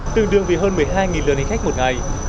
tương đương vì hơn một mươi hai lượt hành khách một ngày